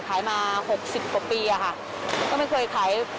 ขายมา๖๐กว่าปีค่ะก็ไม่เคยขาย